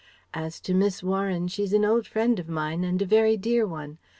As to Miss Warren, she's an old friend of mine and a very dear one.